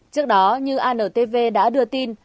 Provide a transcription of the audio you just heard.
trước đó như antv đã đưa tin